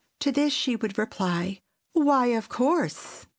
To this she would reply, "Why, of course!